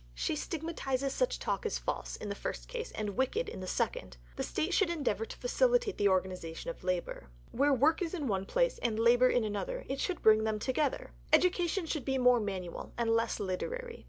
She stigmatizes such talk as false, in the first case, and wicked, in the second. The State should endeavour to facilitate the organization of labour. "Where work is in one place, and labour in another, it should bring them together." Education should be more manual, and less literary.